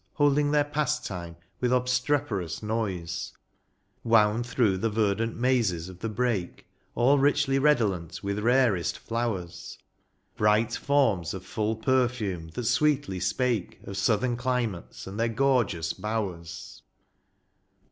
Holding their pastime with obstreperous noise ; Wound through the verdant mazes of the brake AU richly redolent with rarest flowers. Bright forms of full perfume, that sweetly spake Of southern climates and their gorgeous bowers.